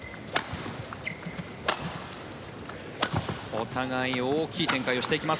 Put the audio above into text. お互い大きい展開をしていきます。